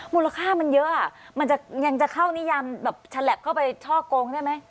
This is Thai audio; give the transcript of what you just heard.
มูลค่ามันเยอะอ่ะมันจะยังจะเข้านิยามแบบฉลับเข้าไปช่อกงได้ไหม